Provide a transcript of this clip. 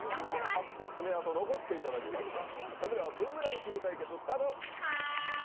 勝って爪痕残していただきましょう。